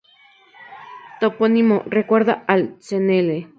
Topónimo: recuerda al Cnel.